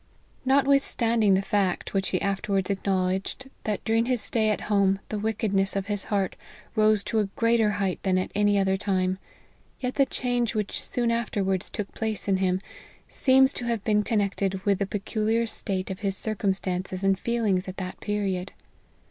10 LIFE OF HENRY MARTYN. Notwithstanding the fact, which he afterwards acknowledged, that during his stay at home the wickedness of his heart rose to a greater height than at any other time, yet the change which soon after wards took place in him, seems to have been con nected with the peculiar state of his circumstances and feelings at that period.